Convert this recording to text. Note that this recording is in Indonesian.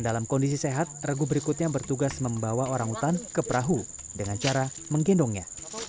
dalam kondisi sehat ragu berikutnya bertugas membawa orangutan ke perahu dengan cara menggendongnya